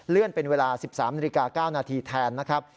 เลื่อนเป็นเวลา๑๓นิกา๙นาทีแทนนะครับ